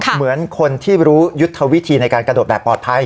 เหมือนคนที่รู้ยุทธวิธีในการกระโดดแบบปลอดภัย